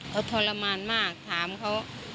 เขาทรมานมากถามเขา